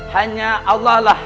hanya allah lah